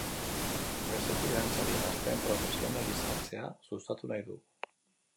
Bestetik, dantzari gazteen profesionalizatzea sustatu nahi du.